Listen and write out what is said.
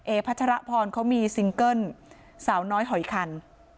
พัชรพรเขามีซิงเกิ้ลสาวน้อยหอยคัน